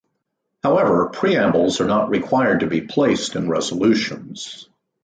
However, preambles are not required to be placed in resolutions.